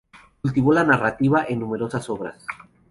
Cultivó la narrativa en numerosas obras.